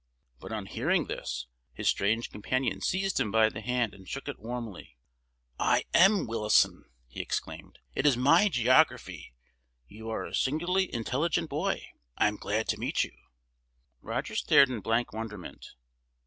But on hearing this, his strange companion seized him by the hand, and shook it warmly. "I am Willison!" he exclaimed. "It is my Geography! You are a singularly intelligent boy. I am glad to meet you." Roger stared in blank wonderment.